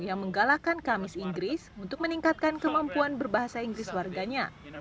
yang menggalakkan kamis inggris untuk meningkatkan kemampuan berbahasa inggris warganya